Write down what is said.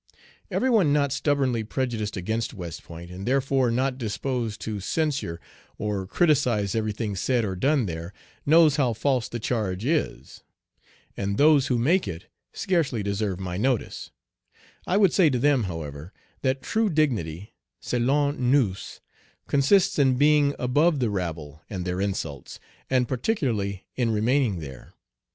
Every one not stubbornly prejudiced against West Point, and therefore not disposed to censure or criticise every thing said or done there, knows how false the charge is. And those who make it scarcely deserve my notice. I would say to them, however, that true dignity, selon nous, consists in being above the rabble and their insults, and particularly in remaining there.